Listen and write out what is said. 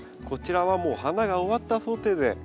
こちらはもう花が終わった想定で。